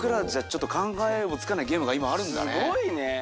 すごいね！